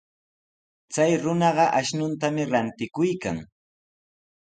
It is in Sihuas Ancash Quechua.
Chay runaqa akshutami rantikuykan.